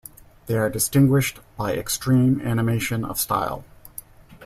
They are distinguished by extreme animation of style.